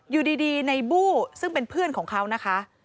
อยู่ดีในบู้ซึ่งเป็นเพื่อนของเขานะคะ